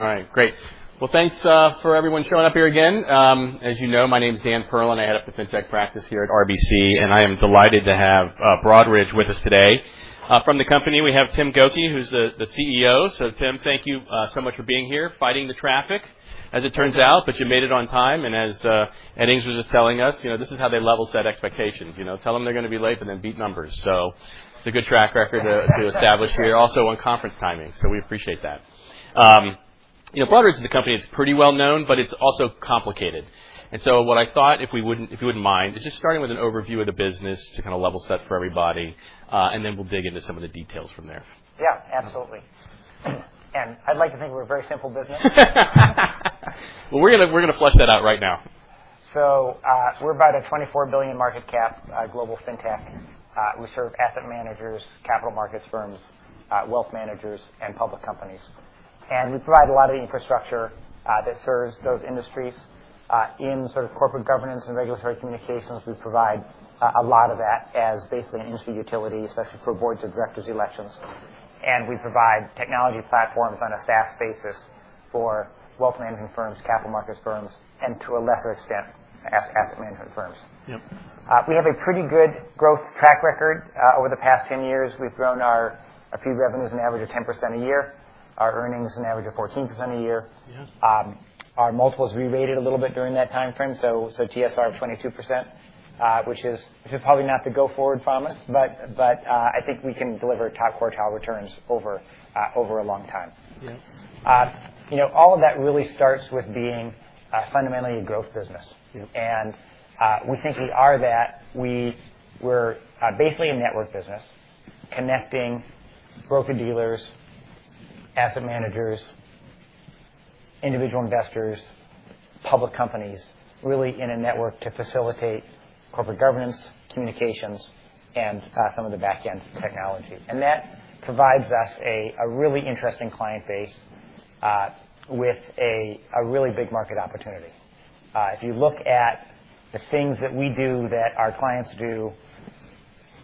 All right, great. Well, thanks for everyone showing up here again. As you know, my name is Dan Perlin. I head up the Fintech practice here at RBC, and I am delighted to have Broadridge with us today. From the company, we have Tim Gokey, who's the CEO. So Tim, thank you so much for being here, fighting the traffic, as it turns out, but you made it on time, and as Edings was just telling us, you know, this is how they level set expectations, you know, tell them they're gonna be late, and then beat numbers. So it's a good track record to establish here, also on conference timing, so we appreciate that. You know, Broadridge is a company that's pretty well known, but it's also complicated. And so what I thought, if you wouldn't mind, is just starting with an overview of the business to kind of level set for everybody, and then we'll dig into some of the details from there. Yeah, absolutely. I'd like to think we're a very simple business. We're gonna, we're gonna flush that out right now. We're about a $24 billion market cap, global Fintech. We serve asset managers, capital markets firms, wealth managers, and public companies. We provide a lot of the infrastructure that serves those industries in sort of corporate governance and regulatory communications. We provide a lot of that as basically an industry utility, especially for boards of directors elections, and we provide technology platforms on a SaaS basis for wealth management firms, capital markets firms, and to a lesser extent, asset management firms. Yep. We have a pretty good growth track record. Over the past 10 years, we've grown our fee revenues an average of 10% a year, our earnings an average of 14% a year. Yes. Our multiples re-rated a little bit during that time frame, so TSR, 22%, which is probably not the go forward promise, but I think we can deliver top quartile returns over a long time. Yes. You know, all of that really starts with being fundamentally a growth business. Yep. We think we are that. We're basically a network business, connecting broker dealers, asset managers, individual investors, public companies, really in a network to facilitate corporate governance, communications, and some of the back-end technology. That provides us a really interesting client base, with a really big market opportunity. If you look at the things that we do, that our clients do,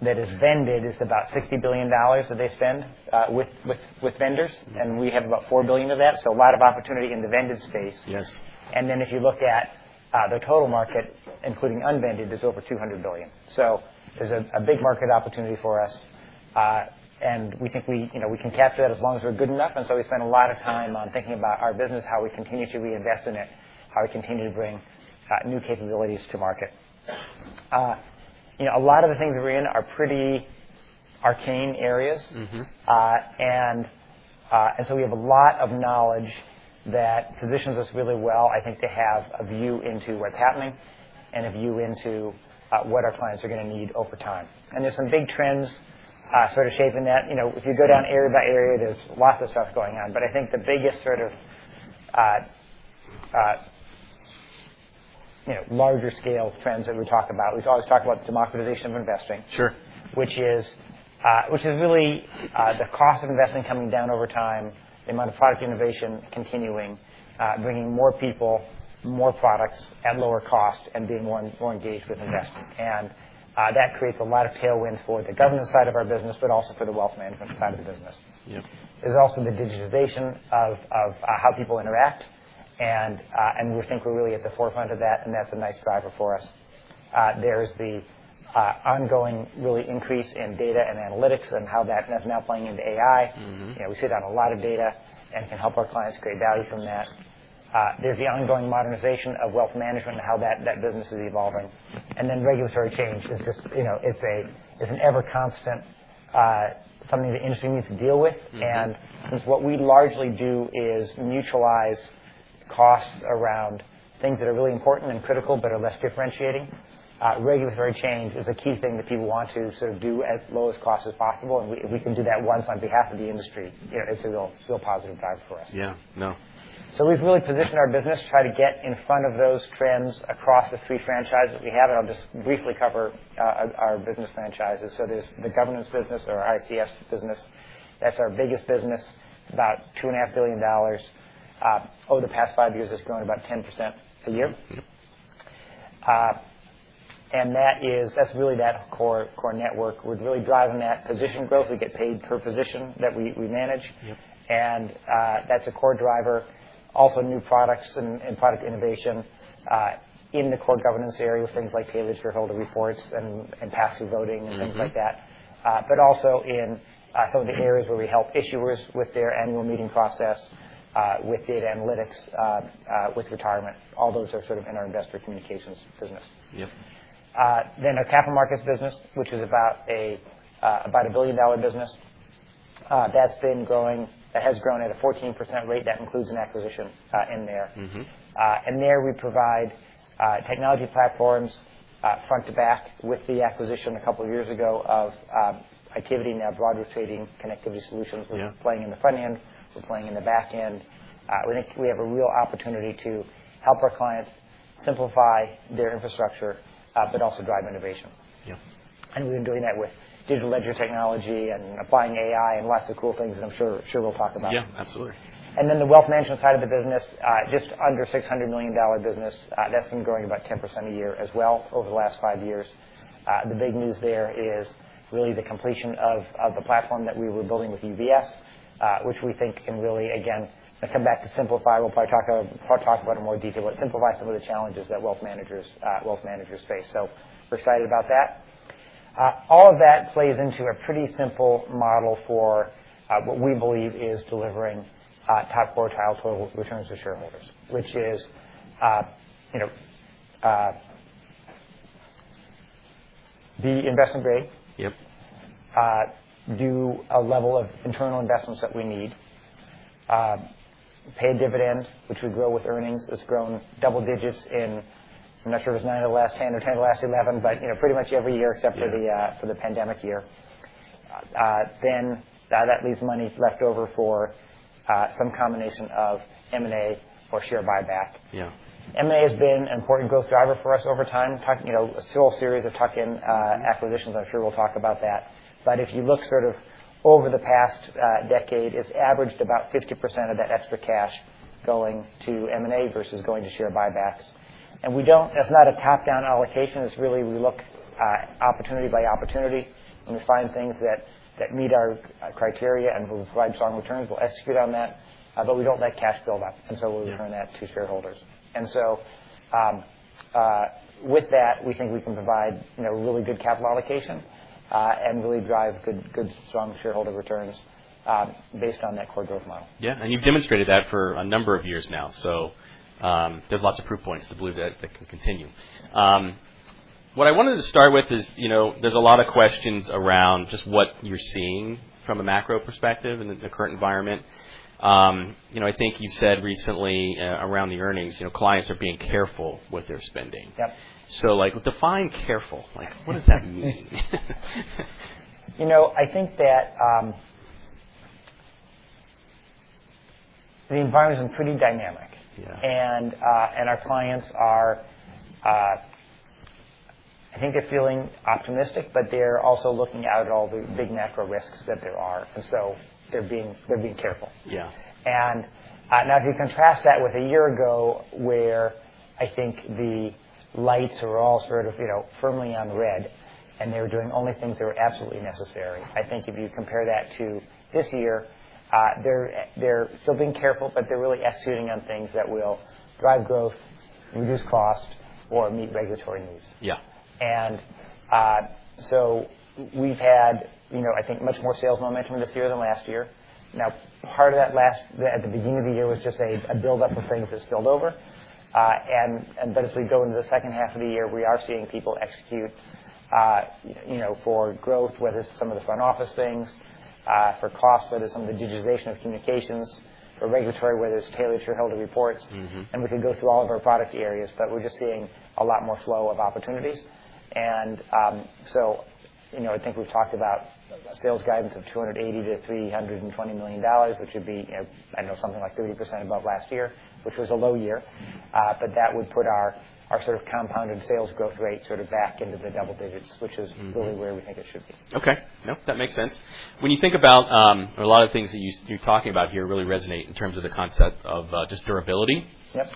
that is vended, is about $60 billion that they spend, with vendors, and we have about $4 billion of that, so a lot of opportunity in the vended space. Yes. Then if you look at the total market, including unvended, is over $200 billion. So there's a big market opportunity for us, and we think we, you know, we can capture that as long as we're good enough, and so we spend a lot of time on thinking about our business, how we continue to reinvest in it, how we continue to bring new capabilities to market. You know, a lot of the things that we're in are pretty arcane areas. Mm-hmm. and so we have a lot of knowledge that positions us really well, I think, to have a view into what's happening and a view into what our clients are gonna need over time. And there's some big trends, sort of shaping that. You know, if you go down area by area, there's lots of stuff going on, but I think the biggest sort of, you know, larger scale trends that we talk about, we always talk about democratization of investing. Sure. Which is really the cost of investing coming down over time, the amount of product innovation continuing, bringing more people, more products at lower cost and being more engaged with investing. Mm-hmm. That creates a lot of tailwind for the governance side of our business, but also for the wealth management side of the business. Yep. There's also the digitization of how people interact, and we think we're really at the forefront of that, and that's a nice driver for us. There's the ongoing really increase in data and analytics and how that's now playing into AI. Mm-hmm. You know, we sit on a lot of data and can help our clients create value from that. There's the ongoing modernization of wealth management and how that business is evolving. And then regulatory change is just, you know, it's an ever constant something the industry needs to deal with. Mm-hmm. What we largely do is mutualize costs around things that are really important and critical, but are less differentiating. Regulatory change is a key thing that people want to sort of do at lowest cost as possible, and we can do that once on behalf of the industry. You know, it's a real, real positive driver for us. Yeah, no. So we've really positioned our business to try to get in front of those trends across the three franchises that we have, and I'll just briefly cover our business franchises. So there's the governance business or ICS business. That's our biggest business, about $2.5 billion. Over the past five years, it's grown about 10% a year. And that is... That's really that core, core network. We're really driving that position growth. We get paid per position that we manage. Yep. And, that's a core driver. Also, new products and product innovation in the core governance area, things like tailored shareholder reports and passive voting- Mm-hmm. and things like that. But also in some of the areas where we help issuers with their annual meeting process, with data analytics, with retirement. All those are sort of in our investor communications business. Yep. Then our capital markets business, which is about a billion-dollar business, that's been growing—that has grown at a 14% rate. That includes an acquisition in there. Mm-hmm. and there, we provide technology platforms front to back with the acquisition a couple of years ago of Itiviti, now Broadridge Trading and Connectivity Solutions. Yeah. We're playing in the front end, we're playing in the back end. We think we have a real opportunity to help our clients simplify their infrastructure, but also drive innovation. Yeah.... and we've been doing that with digital ledger technology and applying AI and lots of cool things that I'm sure, sure we'll talk about. Yeah, absolutely. And then the wealth management side of the business, just under $600 million business, that's been growing about 10% a year as well over the last five years. The big news there is really the completion of the platform that we were building with UBS, which we think can really, again, come back to simplify. We'll probably talk about in more detail, but simplify some of the challenges that wealth managers, wealth managers face. So we're excited about that. All of that plays into a pretty simple model for what we believe is delivering top quartile total returns to shareholders, which is, you know, the investment grade. Yep. do a level of internal investments that we need, pay a dividend, which would grow with earnings. It's grown double digits in, I'm not sure if it's nine of the last 10 or 10 of the last 11, but, you know, pretty much every year except for the, for the pandemic year. Then, that leaves money left over for, some combination of M&A or share buyback. Yeah. M&A has been an important growth driver for us over time. Talking, you know, a whole series of tuck-in acquisitions. I'm sure we'll talk about that. But if you look sort of over the past decade, it's averaged about 50% of that extra cash going to M&A versus going to share buybacks. And we don't. That's not a top-down allocation. It's really, we look opportunity by opportunity, and we find things that meet our criteria and will provide strong returns. We'll execute on that, but we don't let cash build up, and so we'll return that to shareholders. And so, with that, we think we can provide, you know, really good capital allocation, and really drive good, good, strong shareholder returns, based on that core growth model. Yeah, and you've demonstrated that for a number of years now, so there's lots of proof points to believe that that can continue. What I wanted to start with is, you know, there's a lot of questions around just what you're seeing from a macro perspective in the current environment. You know, I think you said recently around the earnings, you know, clients are being careful with their spending. Yep. So, like, define careful. Like, what does that mean? You know, I think that, the environment is pretty dynamic. Yeah. And our clients are, I think they're feeling optimistic, but they're also looking out at all the big macro risks that there are, and so they're being careful. Yeah. And, now, if you contrast that with a year ago, where I think the lights were all sort of, you know, firmly on red, and they were doing only things that were absolutely necessary, I think if you compare that to this year, they're still being careful, but they're really executing on things that will drive growth, reduce cost, or meet regulatory needs. Yeah. So we've had, you know, I think, much more sales momentum this year than last year. Now, at the beginning of the year, was just a buildup of things that spilled over. But as we go into the second half of the year, we are seeing people execute, you know, for growth, whether it's some of the front office things, for cost, whether it's some of the digitization of communications, for regulatory, whether it's tailored shareholder reports. Mm-hmm. We can go through all of our product areas, but we're just seeing a lot more flow of opportunities. So, you know, I think we've talked about sales guidance of $280 million-$320 million, which would be, I know, something like 30% above last year, which was a low year. But that would put our, our sort of compounded sales growth rate sort of back into the double digits, which is- Mm-hmm. -really where we think it should be. Okay. Nope, that makes sense. When you think about a lot of things that you're talking about here really resonate in terms of the concept of just durability. Yep.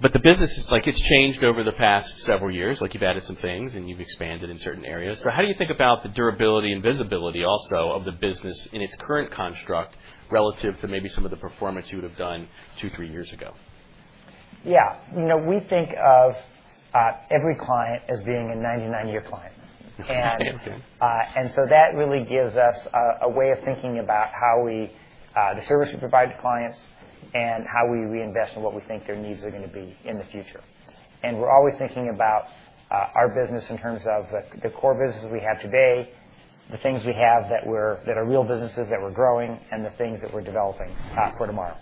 But the business is like, it's changed over the past several years. Like, you've added some things, and you've expanded in certain areas. So how do you think about the durability and visibility also of the business in its current construct, relative to maybe some of the performance you would have done two, three years ago? Yeah. You know, we think of every client as being a 99-year client. And so that really gives us a way of thinking about how we the service we provide to clients and how we reinvest in what we think their needs are gonna be in the future. And we're always thinking about our business in terms of the core businesses we have today, the things we have that are real businesses that we're growing, and the things that we're developing for tomorrow.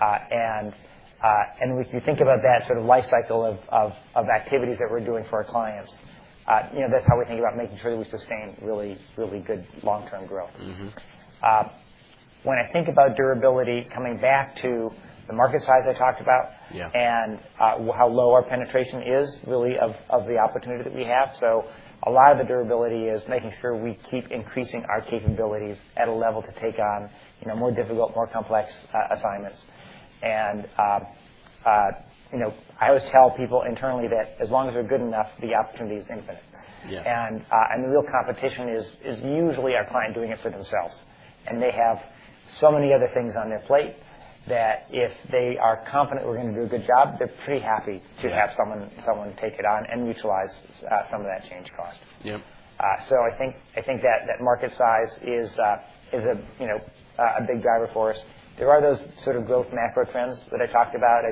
And if you think about that sort of life cycle of activities that we're doing for our clients, you know, that's how we think about making sure we sustain really, really good long-term growth. Mm-hmm. When I think about durability, coming back to the market size I talked about- Yeah. and how low our penetration is, really, of the opportunity that we have. So a lot of the durability is making sure we keep increasing our capabilities at a level to take on, you know, more difficult, more complex assignments. And you know, I always tell people internally that as long as they're good enough, the opportunity is infinite. Yeah. The real competition is usually our client doing it for themselves, and they have so many other things on their plate, that if they are confident we're gonna do a good job, they're pretty happy. Yeah. to have someone, someone take it on and utilize some of that change cost. Yep. So I think that market size is, you know, a big driver for us. There are those sort of growth macro trends that I talked about,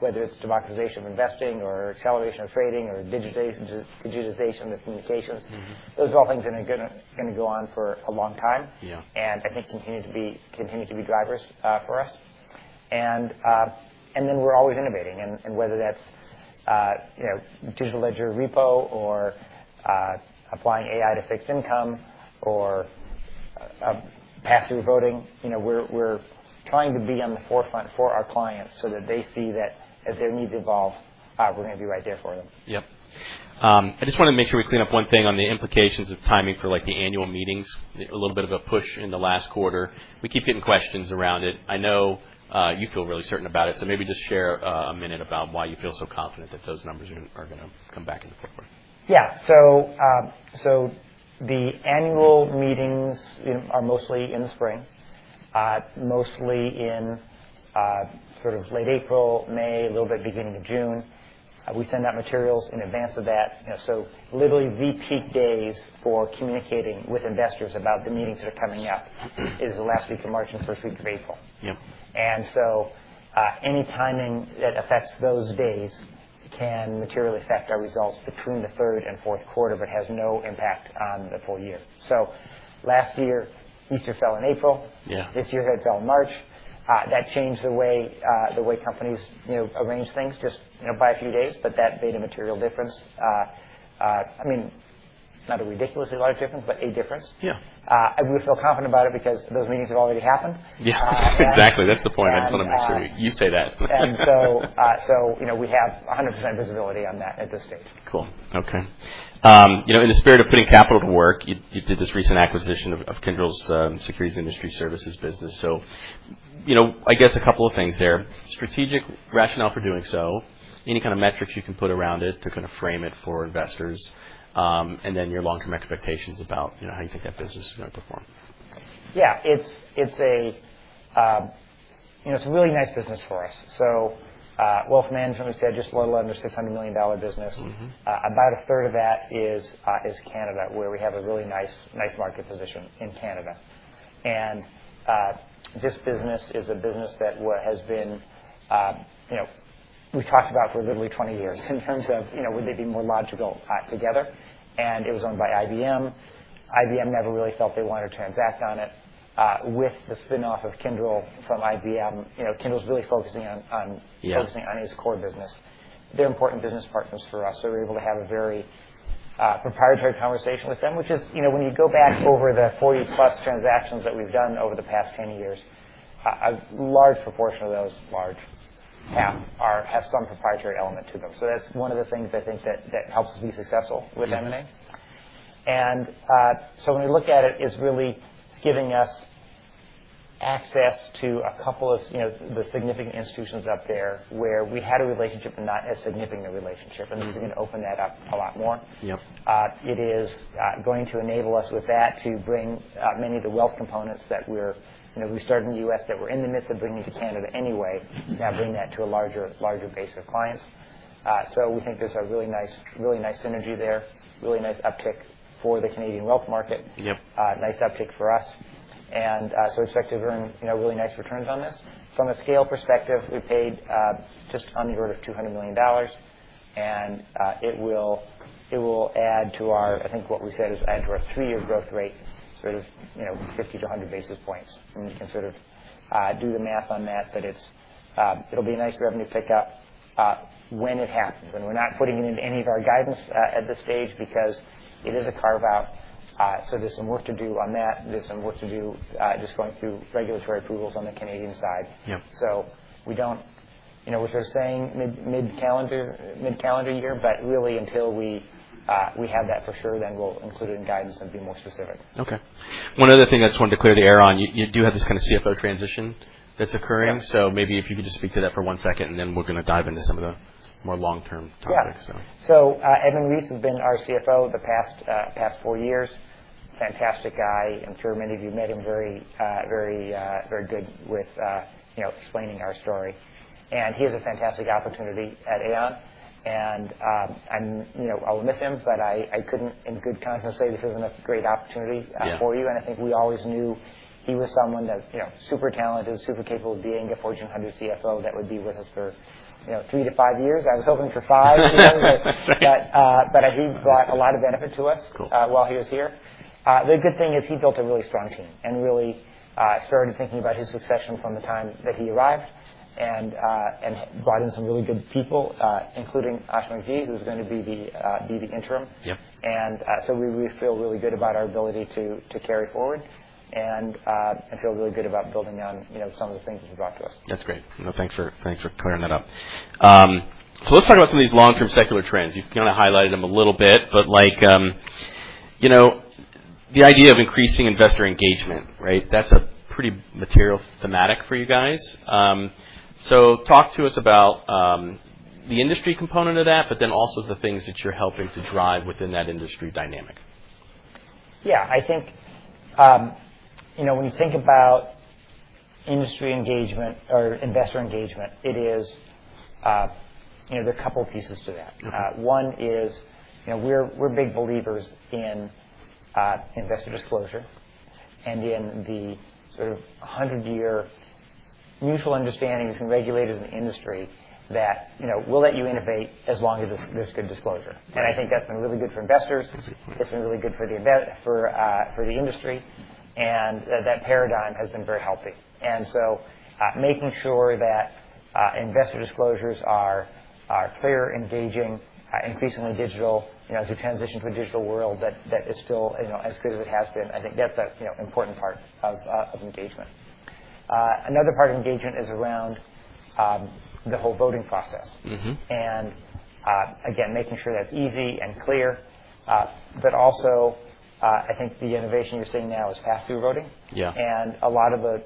whether it's democratization of investing or acceleration of trading or digitization of communications. Mm-hmm. Those are all things that are gonna go on for a long time. Yeah. And I think continue to be, continue to be drivers for us. And then we're always innovating. And whether that's, you know, Distributed Ledger Repo or applying AI to fixed income or pass-through voting. You know, we're trying to be on the forefront for our clients so that they see that as their needs evolve, we're going to be right there for them. Yep. I just want to make sure we clean up one thing on the implications of timing for, like, the annual meetings, a little bit of a push in the last quarter. We keep getting questions around it. I know you feel really certain about it, so maybe just share a minute about why you feel so confident that those numbers are gonna, are gonna come back in the fourth quarter. Yeah. So, the annual meetings, you know, are mostly in the spring, mostly in, sort of late April, May, a little bit beginning of June. We send out materials in advance of that, you know, so literally, the peak days for communicating with investors about the meetings that are coming up is the last week of March and first week of April. Yep. And so, any timing that affects those days can materially affect our results between the third and fourth quarter, but has no impact on the full year. So last year, Easter fell in April. Yeah. This year, it fell in March. That changed the way companies, you know, arrange things just, you know, by a few days, but that made a material difference. I mean, not a ridiculously large difference, but a difference. Yeah. We feel confident about it because those meetings have already happened. Yeah, exactly. That's the point. And, um- I just want to make sure you say that. And so, you know, we have 100% visibility on that at this stage. Cool. Okay. You know, in the spirit of putting capital to work, you did this recent acquisition of Kyndryl's Securities Industry Services business. So, you know, I guess a couple of things there. Strategic rationale for doing so, any kind of metrics you can put around it to kind of frame it for investors, and then your long-term expectations about, you know, how you think that business is going to perform? Yeah, it's a, you know, it's a really nice business for us. So, wealth management, we said, just a little under $600 million business. Mm-hmm. About a third of that is Canada, where we have a really nice market position in Canada. And this business is a business that has been, you know, we've talked about for literally 20 years in terms of, you know, would they be more logical together? And it was owned by IBM. IBM never really felt they wanted to transact on it. With the spinoff of Kyndryl from IBM, you know, Kyndryl's really focusing on, Yeah... focusing on its core business. They're important business partners for us, so we're able to have a very proprietary conversation with them, which is, you know, when you go back over the 40+ transactions that we've done over the past 10 years, a large proportion of those, half are, have some proprietary element to them. So that's one of the things I think that helps us be successful with M&A. Yep. So when we look at it, it's really giving us access to a couple of, you know, the significant institutions up there where we had a relationship, but not as significant a relationship, and this is going to open that up a lot more. Yep. It is going to enable us with that to bring many of the wealth components that we're... You know, we started in the U.S., that we're in the midst of bringing to Canada anyway- Mm-hmm. -now bring that to a larger, larger base of clients. So we think there's a really nice, really nice synergy there, really nice uptick for the Canadian wealth market. Yep. Nice uptick for us. And, so we expect to earn, you know, really nice returns on this. From a scale perspective, we paid just under the order of $200 million, and it will add to our... I think what we said is add to our three-year growth rate, sort of, you know, 50-100 basis points. And you can sort of do the math on that, but it's, it'll be a nice revenue pick-up when it happens. And we're not putting it into any of our guidance at this stage because it is a carve-out. So there's some work to do on that. There's some work to do just going through regulatory approvals on the Canadian side. Yep. We don't... You know, we're just saying mid-calendar year, but really, until we have that for sure, then we'll include it in guidance and be more specific. Okay. One other thing I just wanted to clear the air on, you, you do have this kind of CFO transition that's occurring. Yeah. Maybe if you could just speak to that for one second, and then we're going to dive into some of the more long-term topics. Yeah. So, Edmund Reese has been our CFO the past four years. Fantastic guy. I'm sure many of you met him. Very good with, you know, explaining our story. And he has a fantastic opportunity at Aon. And, you know, I'll miss him, but I couldn't in good conscience say this isn't a great opportunity. Yeah... for you. I think we always knew he was someone that, you know, super talented, super capable of being a Fortune 100 CFO that would be with us for, you know, three-five years. I was hoping for five. But he brought a lot of benefit to us- Cool... while he was here. The good thing is he built a really strong team and really started thinking about his succession from the time that he arrived and brought in some really good people, including Ashima Ghei, who's going to be the interim. Yep. And so we feel really good about our ability to carry forward and feel really good about building on, you know, some of the things he's brought to us. That's great. Well, thanks for, thanks for clearing that up. So let's talk about some of these long-term secular trends. You kind of highlighted them a little bit, but like, you know, the idea of increasing investor engagement, right? That's a pretty material thematic for you guys. So talk to us about, the industry component of that, but then also the things that you're helping to drive within that industry dynamic. Yeah, I think, you know, when you think about industry engagement or investor engagement, it is, you know, there are a couple of pieces to that. Mm-hmm. One is, you know, we're, we're big believers in investor disclosure and in the sort of hundred-year mutual understanding between regulators and industry that, you know, we'll let you innovate as long as there's, there's good disclosure. Mm-hmm. I think that's been really good for investors, it's been really good for the industry, and that paradigm has been very healthy. So, making sure that investor disclosures are clear, engaging, increasingly digital, you know, as we transition to a digital world, that is still, you know, as good as it has been, I think that's a, you know, important part of engagement.... Another part of engagement is around the whole voting process. Mm-hmm. Again, making sure that's easy and clear. Also, I think the innovation you're seeing now is pass-through voting. Yeah. A lot of the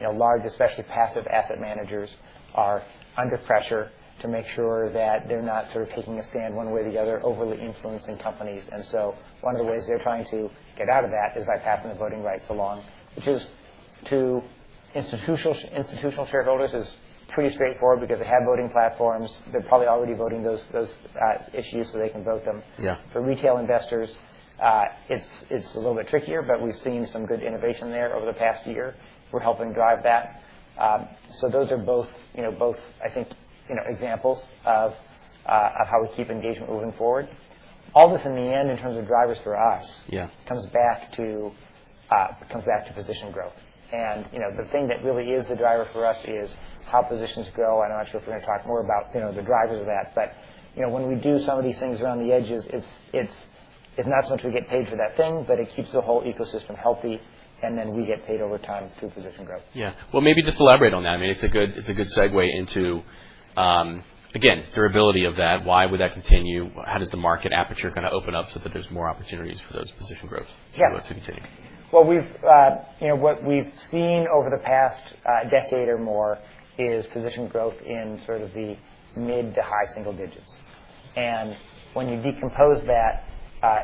you know large especially passive asset managers are under pressure to make sure that they're not sort of taking a stand one way or the other overly influencing companies. So one of the ways they're trying to get out of that is by passing the voting rights along which is to institutional shareholders is pretty straightforward because they have voting platforms. They're probably already voting those issues so they can vote them. Yeah. For retail investors, it's a little bit trickier, but we've seen some good innovation there over the past year. We're helping drive that. So those are both, you know, examples of how we keep engagement moving forward. All this in the end, in terms of drivers for us- Yeah. comes back to position growth. And, you know, the thing that really is the driver for us is how positions grow. I'm not sure if we're gonna talk more about, you know, the drivers of that, but, you know, when we do some of these things around the edges, it's not so much we get paid for that thing, but it keeps the whole ecosystem healthy, and then we get paid over time through position growth. Yeah. Well, maybe just elaborate on that. I mean, it's a good, it's a good segue into, again, durability of that. Why would that continue? How does the market aperture kind of open up so that there's more opportunities for those position growths- Yeah. -to continue? Well, we've, you know, what we've seen over the past, decade or more is position growth in sort of the mid to high single digits. And when you decompose that,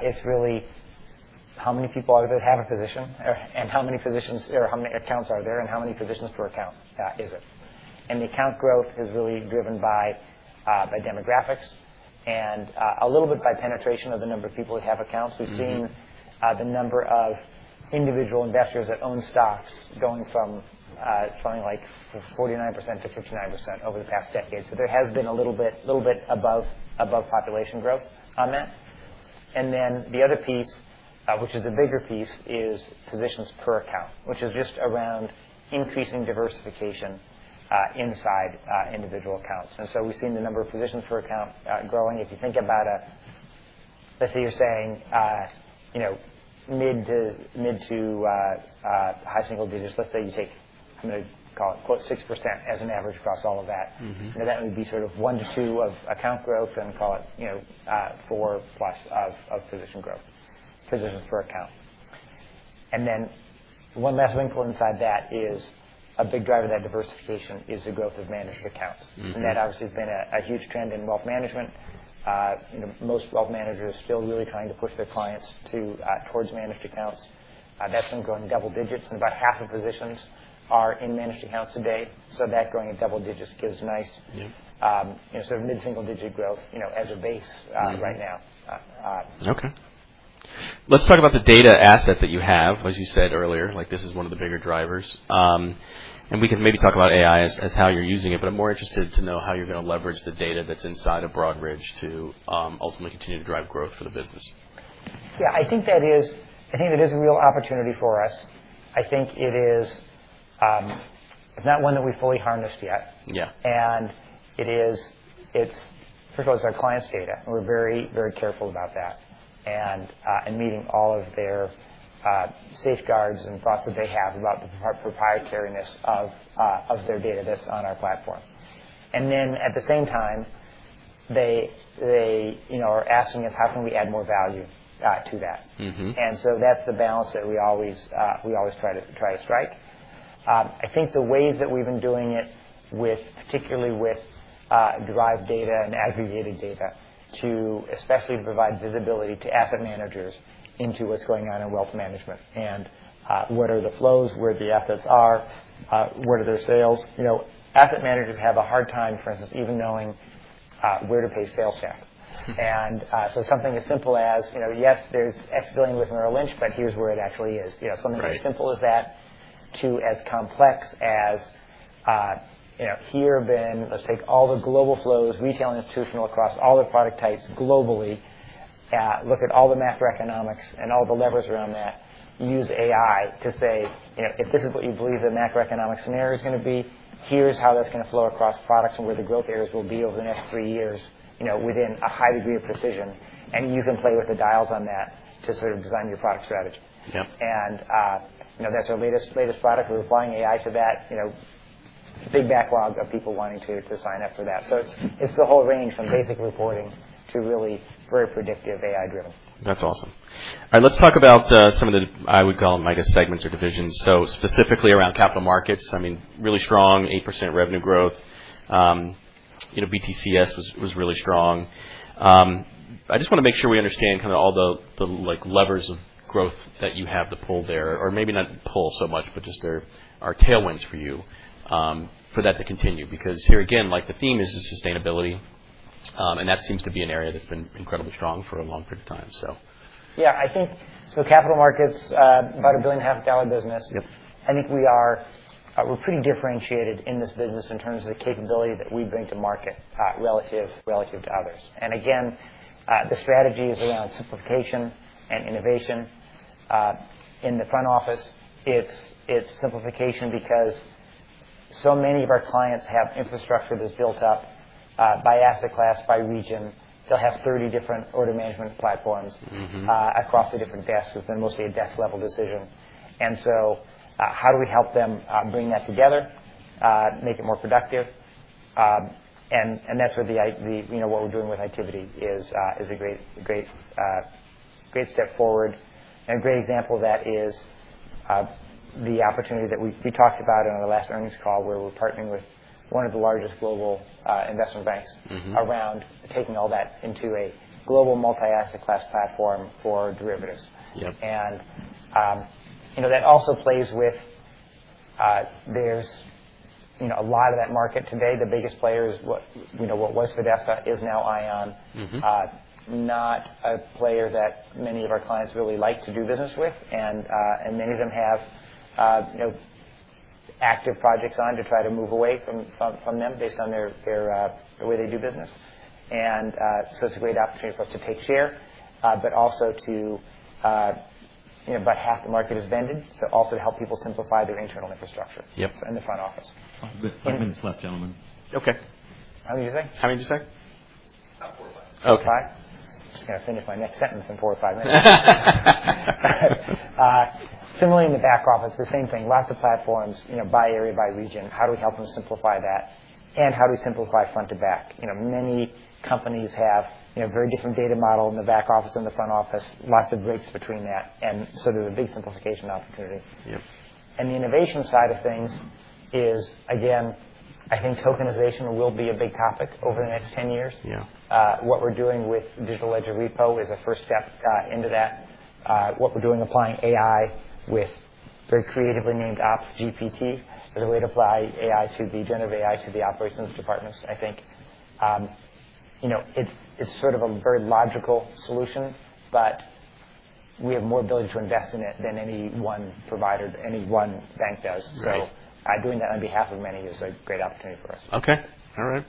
it's really how many people out of it have a position, and how many positions, or how many accounts are there and how many positions per account, is it? And the account growth is really driven by, by demographics and, a little bit by penetration of the number of people who have accounts. Mm-hmm. We've seen the number of individual investors that own stocks going from something like 49% to 59% over the past decade. So there has been a little bit above population growth on that. And then the other piece, which is the bigger piece, is positions per account, which is just around increasing diversification inside individual accounts. And so we've seen the number of positions per account growing. If you think about a... Let's say, you're saying, you know, mid- to high single digits. Let's say you take, I'm gonna call it, quote, 6% as an average across all of that. Mm-hmm. Then that would be sort of one-two of account growth, and call it, you know, 4+ of position growth, positions per account. And then one last but important inside that is a big driver of that diversification is the growth of managed accounts. Mm-hmm. That obviously has been a huge trend in wealth management. You know, most wealth managers are still really trying to push their clients towards managed accounts. That's been growing double digits, and about half of positions are in managed accounts today, so that growing at double digits gives nice- Yeah. you know, sort of mid-single-digit growth, you know, as a base, right now. Okay. Let's talk about the data asset that you have. As you said earlier, like, this is one of the bigger drivers. And we can maybe talk about AI as how you're using it, but I'm more interested to know how you're gonna leverage the data that's inside of Broadridge to, ultimately continue to drive growth for the business. Yeah, I think that is... I think that is a real opportunity for us. I think it is, it's not one that we've fully harnessed yet. Yeah. It's, first of all, our clients' data, and we're very, very careful about that, and meeting all of their safeguards and thoughts that they have about the proprietariness of their data that's on our platform. And then at the same time, they, you know, are asking us: How can we add more value to that? Mm-hmm. That's the balance that we always try to strike. I think the ways that we've been doing it with, particularly with, derived data and aggregated data, to especially provide visibility to asset managers into what's going on in wealth management, and, what are the flows, where the assets are, where do their sales... You know, asset managers have a hard time, for instance, even knowing, where to pay sales tax. Mm. something as simple as, you know, yes, there's $X billion with Merrill Lynch, but here's where it actually is. You know- Right. Something as simple as that to as complex as, you know, here, then, let's take all the global flows, retail, institutional, across all the product types globally, look at all the macroeconomics and all the levers around that. Use AI to say, you know, if this is what you believe the macroeconomic scenario is gonna be, here's how that's gonna flow across products and where the growth areas will be over the next three years, you know, within a high degree of precision, and you can play with the dials on that to sort of design your product strategy. Yeah. And, you know, that's our latest, latest product. We're applying AI to that, you know, big backlog of people wanting to sign up for that. So it's the whole range from basic reporting to really very predictive AI driven. That's awesome. And let's talk about some of the, I would call them, I guess, segments or divisions. So specifically around capital markets, I mean, really strong, 8% revenue growth. You know, BTCS was really strong. I just wanna make sure we understand kind of all the like levers of growth that you have to pull there, or maybe not pull so much, but just there are tailwinds for you for that to continue. Because here again, like, the theme is the sustainability, and that seems to be an area that's been incredibly strong for a long period of time, so. Yeah, I think... So capital markets, about $1.5 billion business. Yep. I think we are, we're pretty differentiated in this business in terms of the capability that we bring to market, relative to others. And again, the strategy is around simplification and innovation. In the front office, it's simplification because so many of our clients have infrastructure that's built up, by asset class, by region. They'll have 30 different order management platforms- Mm-hmm. Across the different desks, it's been mostly a desk-level decision. And so, how do we help them bring that together, make it more productive? And that's where the, you know, what we're doing with Itiviti is a great, great, great step forward. And a great example of that is the opportunity that we talked about on our last earnings call, where we're partnering with one of the largest global investment banks- Mm-hmm. around taking all that into a global multi-asset class platform for derivatives. Yep. And, you know, that also plays with, there's, you know, a lot of that market today, the biggest player is what, you know, what was Fidessa is now ION. Mm-hmm. Not a player that many of our clients really like to do business with, and many of them have, you know, active projects on to try to move away from them based on the way they do business. So it's a great opportunity for us to take share, but also to, you know, about half the market is vended, so also to help people simplify their internal infrastructure- Yep. - in the front office. Five, five minutes left, gentlemen. Okay. How many you say? How many did you say? About four or five. Okay. Five? Just gonna finish my next sentence in four or five minutes. Similarly, in the back office, the same thing, lots of platforms, you know, by area, by region. How do we help them simplify that? And how do we simplify front to back? You know, many companies have, you know, very different data model in the back office than the front office, lots of breaks between that, and so there's a big simplification opportunity. Yep. The innovation side of things is, again, I think tokenization will be a big topic over the next 10 years. Yeah. What we're doing with digital ledger repo is a first step into that. What we're doing, applying AI with very creatively named OpsGPT, as a way to apply AI to the... generative AI to the operations departments, I think. You know, it's, it's sort of a very logical solution, but we have more ability to invest in it than any one provider, any one bank does. Right. Doing that on behalf of many is a great opportunity for us. Okay. All right.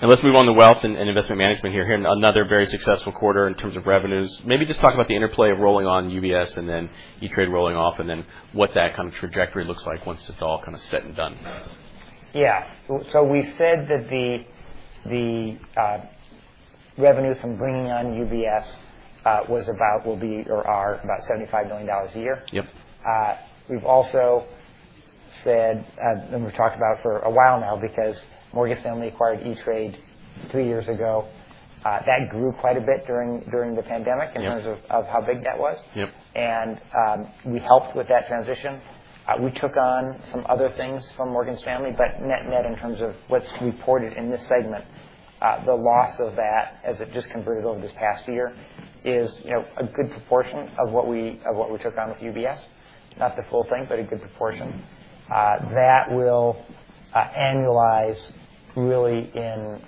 And let's move on to wealth and investment management here. Here, another very successful quarter in terms of revenues. Maybe just talk about the interplay of rolling on UBS and then E-Trade rolling off, and then what that kind of trajectory looks like once it's all kind of set and done. Yeah. So we said that the revenues from bringing on UBS was about, will be, or are about $75 million a year. Yep. We've also said, and we've talked about for a while now, because Morgan Stanley acquired E-Trade three years ago, that grew quite a bit during the pandemic- Yep. in terms of how big that was. Yep. We helped with that transition. We took on some other things from Morgan Stanley, but net-net, in terms of what's reported in this segment, the loss of that, as it just converted over this past year, is, you know, a good proportion of what we took on with UBS. Not the full thing, but a good proportion. Mm-hmm. That will annualize really in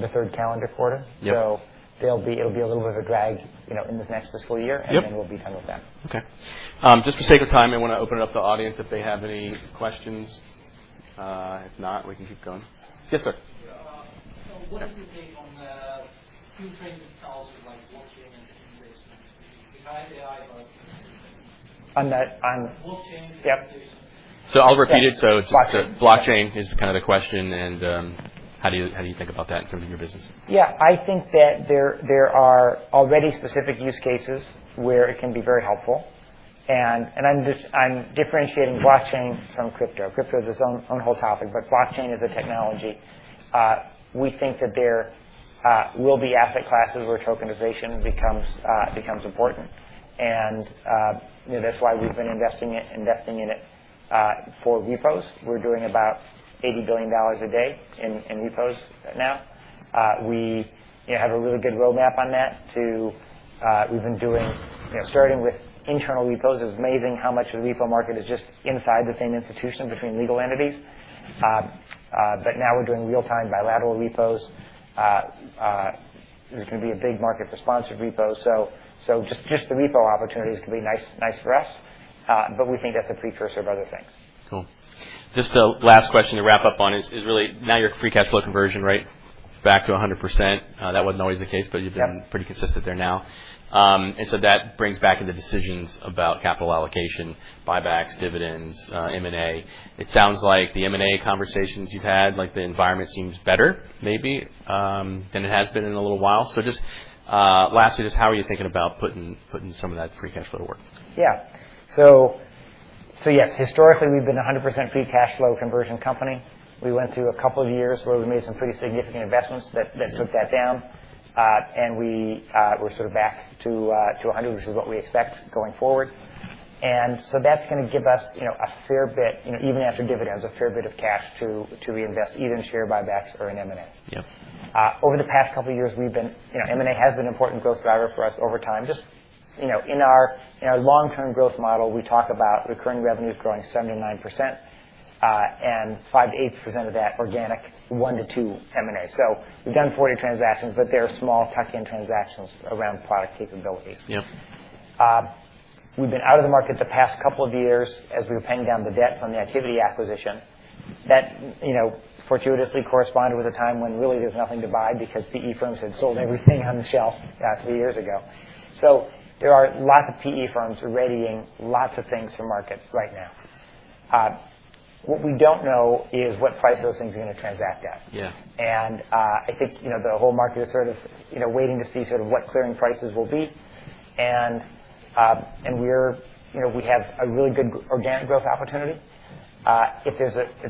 the third calendar quarter. Yep. So it'll be a little bit of a drag, you know, in this next fiscal year. Yep. And then we'll be done with them. Okay. Just for sake of time, I want to open it up to the audience, if they have any questions. If not, we can keep going. Yes, sir. Yeah, what is the take on the new trends in style, like blockchain and things like that? Behind the eye of... On that, Blockchain. Yep. So I'll repeat it. Blockchain. So just blockchain is kind of the question, and how do you, how do you think about that in terms of your business? Yeah. I think that there are already specific use cases where it can be very helpful. And I'm just differentiating blockchain from crypto. Crypto is its own whole topic, but blockchain is a technology. We think that there will be asset classes where tokenization becomes important. And, you know, that's why we've been investing in it for repos. We're doing about $80 billion a day in repos right now. We, you know, have a really good roadmap on that to, we've been doing. You know, starting with internal repos, it's amazing how much the repo market is just inside the same institution between legal entities. But now we're doing real-time bilateral repos. There's gonna be a big market for sponsored repos, so just the repo opportunities can be nice for us. But we think that's a precursor of other things. Cool. Just a last question to wrap up on is, is really now your free cash flow conversion rate back to 100%? That wasn't always the case- Yeah. But you've been pretty consistent there now. And so that brings back to the decisions about capital allocation, buybacks, dividends, M&A. It sounds like the M&A conversations you've had, like, the environment seems better, maybe, than it has been in a little while. So just, lastly, just how are you thinking about putting some of that free cash flow to work? Yeah. So yes, historically, we've been 100% free cash flow conversion company. We went through a couple of years where we made some pretty significant investments that- Mm-hmm. That took that down. And we're sort of back to 100, which is what we expect going forward. And so that's gonna give us, you know, a fair bit, you know, even after dividends, a fair bit of cash to reinvest, either in share buybacks or in M&A. Yep. Over the past couple of years, we've been... You know, M&A has been an important growth driver for us over time. Just, you know, in our, in our long-term growth model, we talk about recurring revenues growing 7%-9%, and 5%-8% of that, organic one-two M&A. So we've done 40 transactions, but they're small tuck-in transactions around product capabilities. Yep. We've been out of the market the past couple of years as we were paying down the debt from the activity acquisition. That, you know, fortuitously corresponded with a time when really there was nothing to buy because PE firms had sold everything on the shelf three years ago. So there are lots of PE firms readying lots of things for markets right now. What we don't know is what price those things are gonna transact at. Yeah. I think, you know, the whole market is sort of, you know, waiting to see sort of what clearing prices will be. You know, we have a really good organic growth opportunity. If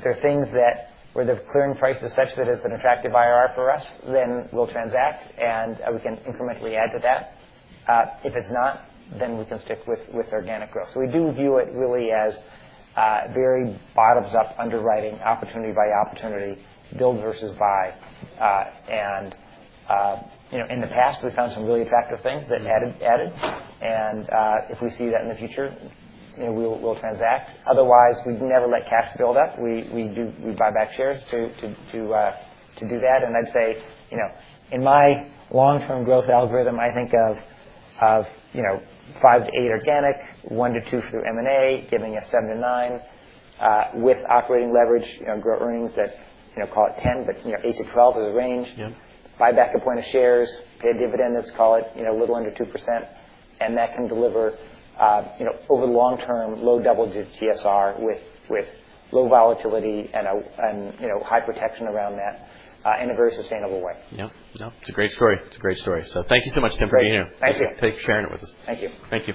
there are things that, where the clearing price is such that it's an attractive IRR for us, then we'll transact, and we can incrementally add to that. If it's not, then we can stick with organic growth. So we do view it really as very bottoms-up underwriting, opportunity by opportunity, build versus buy. And, you know, in the past, we found some really attractive things that added. And, if we see that in the future, you know, we'll transact. Otherwise, we'd never let cash build up. We do buy back shares to do that. And I'd say, you know, in my long-term growth algorithm, I think of five-eight organic, one-two through M&A, giving us seven-eight, with operating leverage, you know, grow earnings at, you know, call it 10, but, you know, eight-12 is the range. Yep. Buy back a point of shares, pay a dividend, let's call it, you know, a little under 2%, and that can deliver, you know, over the long term, low double-digit TSR, with low volatility and, you know, high protection around that, in a very sustainable way. Yep. Yep. It's a great story. It's a great story. Thank you so much, Tim, for being here. Thank you. Thanks for sharing it with us. Thank you. Thank you.